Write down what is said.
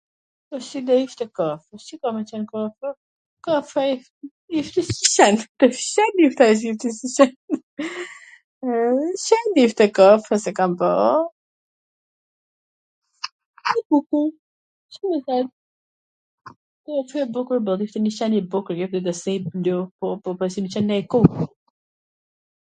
Si do ishte koha? Po si ka me qen koha sot? Shen, shen ishte koha, .ndofta s e kam pa, njw kukul, si me qen, bukur boll, Bukur, si me qen nonj kukull